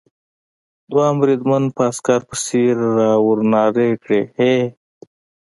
دوهم بریدمن په عسکر پسې را و نارې کړې: هې!